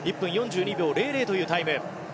１分４２秒００というタイム。